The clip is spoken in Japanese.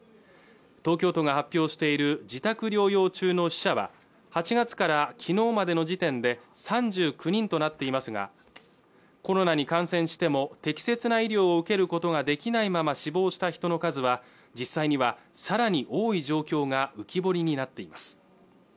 東京都が発表している自宅療養中の死者は８月からきのうまでの時点で３９人となっていますがコロナに感染しても適切な医療を受けることができないまま死亡した人の数は実際にはさらに多い状況が浮き彫りになっています